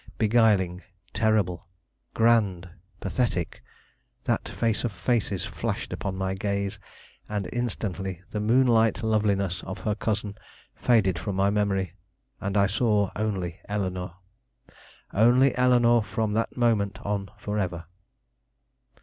Beguiling, terrible, grand, pathetic, that face of faces flashed upon my gaze, and instantly the moonlight loveliness of her cousin faded from my memory, and I saw only Eleanore only Eleanore from that moment on forever.